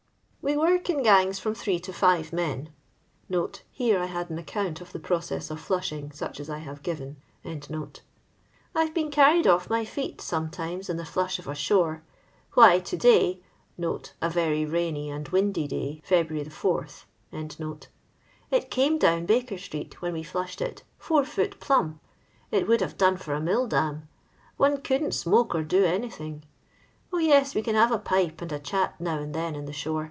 We work in gangs from three to five men." [Hat I had an account of the proceaa of flashing, sock as I have given.] " I 'to been carried oflTmy feci sometimes in the flash of a shore. Why, to day," (a very rainy and windy day, Feb. 4.) "itoM down Baker street, when we flashed it, 4 Ibsl plomb. It would have done for a mill dam. Om couldn't smoke or do anything. Oh, yes, we cm have a pipe and a chat now and then in the sktn.